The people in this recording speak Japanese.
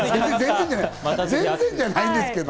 全然じゃないですけど。